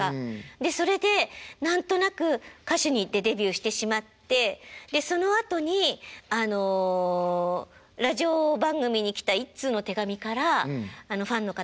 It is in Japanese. でそれで何となく歌手に行ってデビューしてしまってでそのあとにあのラジオ番組に来た１通の手紙からファンの方の。